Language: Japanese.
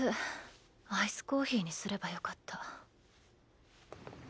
アイスコーヒーにすればよかった。